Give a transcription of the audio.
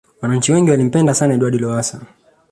wananchi wengi walimpenda sana edward lowasa